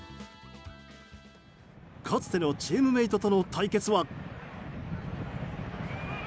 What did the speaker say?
かつてのチームメートとの対決は。